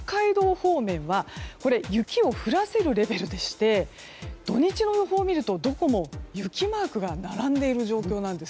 方面は雪を降らせるレベルでして土日の予報を見ると、どこも雪マークが並んでいる状況です。